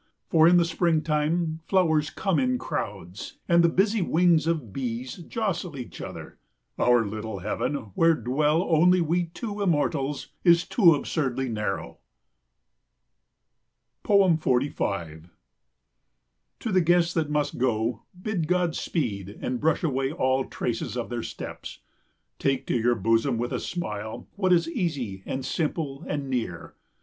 For in the springtime flowers come in crowds, and the busy wings of bees jostle each other. Our little heaven, where dwell only we two immortals, is too absurdly narrow. 45 To the guests that must go bid God's speed and brush away all traces of their steps. Take to your bosom with a smile what is easy and simple and near.